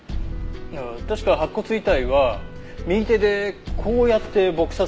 いや確か白骨遺体は右手でこうやって撲殺されているんですよね？